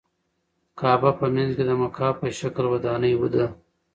کعبه په منځ کې د مکعب په شکل ودانۍ ده.